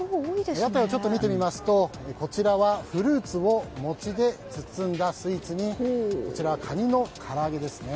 屋台をちょっと見てみますとこちらはフルーツを餅で包んだスイーツにカニのから揚げですね。